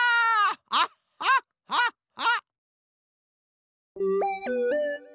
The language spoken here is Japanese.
ハッハッハッハ！